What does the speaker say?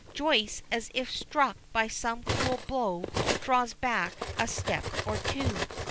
Joyce, as if struck by some cruel blow, draws back a step or two.